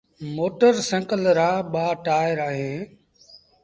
موٽر سآئيٚڪل رآٻآ ٽآئير اوهيݩ۔